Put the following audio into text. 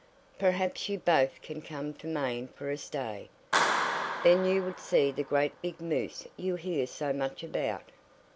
"Perhaps you both can come to Maine for a stay. Then you would see the great big moose you hear so much about.